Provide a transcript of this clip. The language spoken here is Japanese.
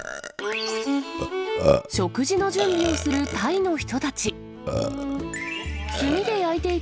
食事の準備をするタイの人たち。